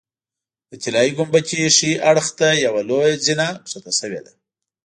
د طلایي ګنبدې ښي اړخ ته یوه لویه زینه ښکته شوې ده.